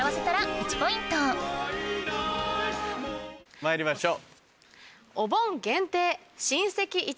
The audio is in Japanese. まいりましょう。